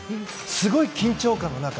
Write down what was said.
すごい緊張感の中